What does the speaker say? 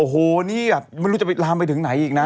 โอ้โหนี่แบบไม่รู้จะไปลามไปถึงไหนอีกนะ